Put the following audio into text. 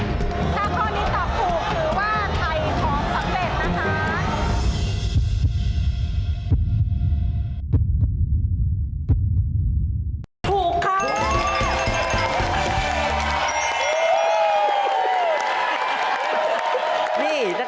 ถ้าข้อนี้ตอบถูกถือว่าถ่ายของสำเร็จนะคะ